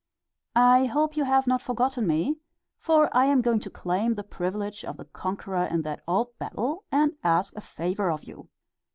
I hope you have not forgotten me, for I am going to claim the privilege of the conqueror in that old battle and ask a favor of you.